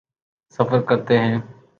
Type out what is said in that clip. سفر کرتے ہیں۔